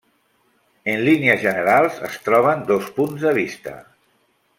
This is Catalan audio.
En línies generals es troben dos punts de vista.